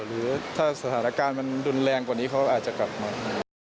หรือถ้าสถานการณ์มันรุนแรงกว่านี้เขาอาจจะกลับมา